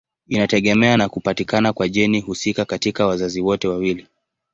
Inategemea na kupatikana kwa jeni husika katika wazazi wote wawili.